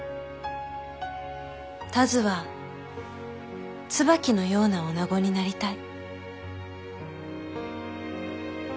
田鶴は椿のようなおなごになりたい。